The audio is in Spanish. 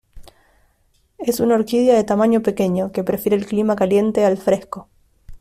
Es una orquídea de tamaño pequeño, que prefiere el clima caliente al fresco.